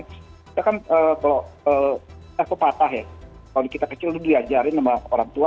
itu kan kalau kita kecil diajarin sama orang tua